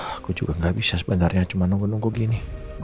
aku juga gak bisa sebenarnya cuma nunggu nunggu gini